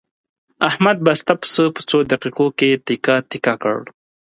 احمد بسته پسه په څو دقیقو کې تکه تکه کړ.